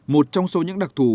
một trong số những đặc thù